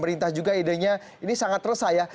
pemerintah juga idenya ini sangat resah ya